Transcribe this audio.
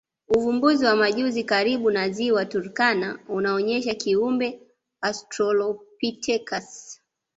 Uvumbuzi wa majuzi karibu na Ziwa Turkana unaonyesha kiumbe Australopithecus